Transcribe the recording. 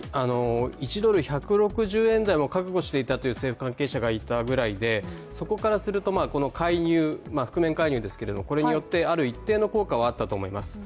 １ドル＝１６０円台も覚悟していたという政府関係者もいたくらいでそこからすると、覆面介入によってある一定の効果はあったと思います。